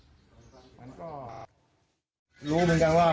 ทีมข่าวของเราติดต่อสีกาในกุฏิ